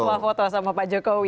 semua foto sama pak jokowi